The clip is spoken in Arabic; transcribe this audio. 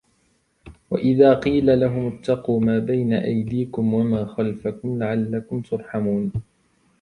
وَإِذَا قِيلَ لَهُمُ اتَّقُوا مَا بَيْنَ أَيْدِيكُمْ وَمَا خَلْفَكُمْ لَعَلَّكُمْ تُرْحَمُونَ